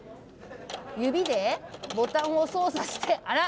指でボタンを操作して、あら！